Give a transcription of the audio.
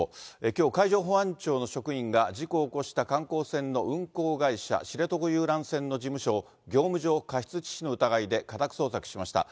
きょう、海上保安庁の職員が、事故を起こした観光船の運航会社、知床遊覧船の事務所を、業務上過失致死の疑いで家宅捜索しました。